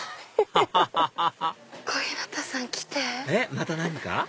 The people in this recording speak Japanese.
また何か？